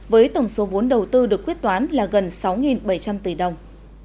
với tổng số vốn đầu tư được quyết toán là gần sáu bảy trăm linh tỷ đồng